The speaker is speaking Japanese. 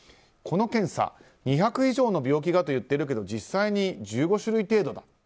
この検査、２００以上の病気がと言っているけれども実際には１５種類程度。